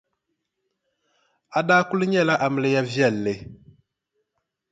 A daa kuli nyɛla amiliya viɛlli.